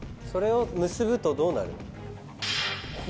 それを結ぶとどうなる？